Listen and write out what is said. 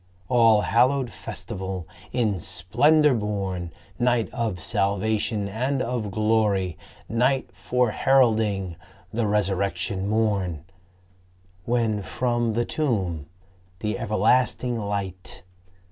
All hallowed festival, in splendor born ! Night of salvation and of glory ! Night Fore heralding the Resurrection morn ! When from the tomb the everlasting Light